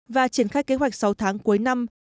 và triển khai kế hoạch sáu tháng cuối năm